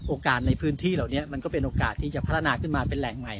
ในพื้นที่เหล่านี้มันก็เป็นโอกาสที่จะพัฒนาขึ้นมาเป็นแหล่งใหม่